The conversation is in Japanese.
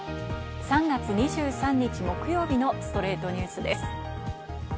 ３月２３日、木曜日の『ストレイトニュース』です。